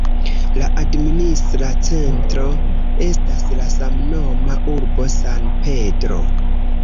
La administra centro estas la samnoma urbo San Pedro.